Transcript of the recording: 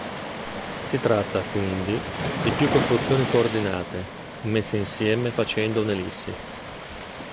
Si tratta, quindi, di più costruzioni coordinate, messe insieme facendo un'ellissi.